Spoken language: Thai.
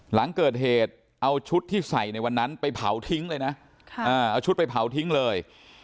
หลังเกิดเหตุเอาชุดที่ใส่ในวันนั้นไปเผาทิ้งเลยนะเอาชุดไปเผาทิ้งเลย